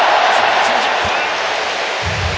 チェンジアップ！